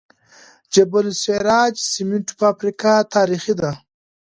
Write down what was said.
د جبل السراج سمنټو فابریکه تاریخي ده